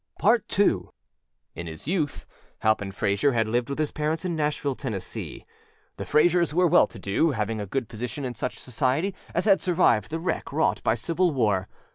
II IN his youth Halpin Frayser had lived with his parents in Nashville, Tennessee. The Fraysers were well to do, having a good position in such society as had survived the wreck wrought by civil war.